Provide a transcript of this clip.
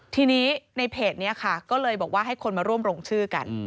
ทีนี้ในเพจนี้ค่ะก็เลยบอกว่าให้คนมาร่วมลงชื่อกัน